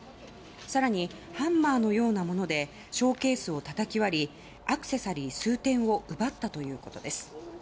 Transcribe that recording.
更にハンマーのようなものでショーケースをたたき割りアクセサリー数点を奪ったということです。